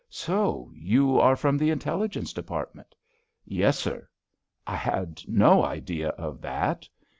"So you are from the Intelligence Department?" "Yes, sir." "I had no idea of that."